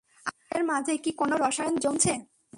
আমাদের মাঝে কী কোন রসায়ন জমছে?